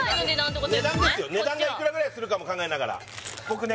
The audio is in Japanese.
こっちは値段がいくらぐらいするかも考えながら僕ね